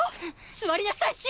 座りなさい秋！